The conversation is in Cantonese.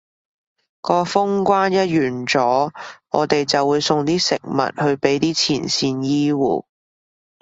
個封關一完咗，我哋就會送啲食物去畀啲前線醫護